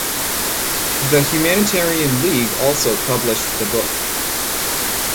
The Humanitarian League also published the book.